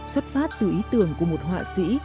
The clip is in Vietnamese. xuất phát từ ý tưởng của một họa sĩ